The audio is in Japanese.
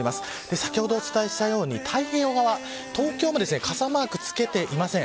先ほど、お伝えしたように太平洋側東京も傘マークつけていません。